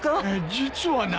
実はな。